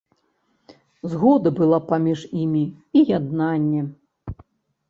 Згода была паміж імі і яднанне.